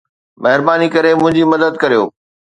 مهرباني ڪري منهنجي مدد ڪريو